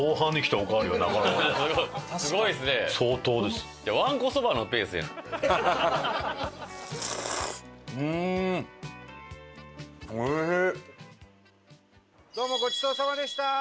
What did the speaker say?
どうもごちそうさまでした！